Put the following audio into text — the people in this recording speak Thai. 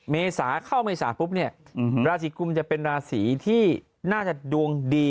เมษาเข้าเมษาปุ๊บเนี่ยราศีกุมจะเป็นราศีที่น่าจะดวงดี